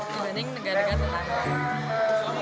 dibanding negara negara lain